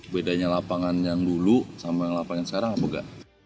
bedanya lapangan yang dulu sama yang lapangan sekarang apa enggak